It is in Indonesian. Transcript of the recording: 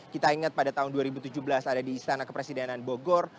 kita ingat pada tahun dua ribu tujuh belas ada di istana kepresidenan bogor